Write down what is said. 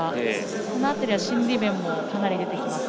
この辺り心理面もかなり出てきます。